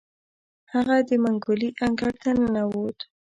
هغه د منګلي انګړ ته ننوت.